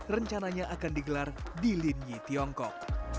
rencananya akan digelar di linyi tiongkok